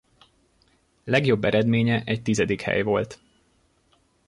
Legjobb eredménye egy tizedik hely volt.